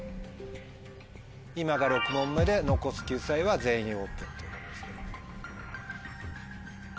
今が６問目で残す救済は「全員オープン」ということですけども。